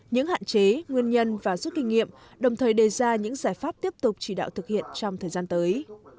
những hạn chế nguyên nhân và rút kinh nghiệm đồng thời đề ra những giải pháp tiếp tục chỉ đạo thực hiện trong thời gian tới